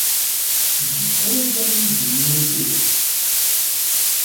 D kečč kan ay d amidi-inu n tidet.